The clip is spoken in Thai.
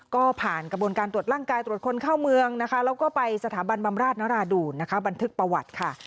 ก็ผ่านกระบวนการตรวจร่างกายตรวจคนเข้าเมืองนะคะแล้วก็ไปสถาบันบำราชนราดูนนะคะบันทึกประวัติค่ะ